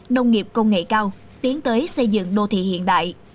nông nghiệp công nghệ cao tiến tới xây dựng đô thị hiện đại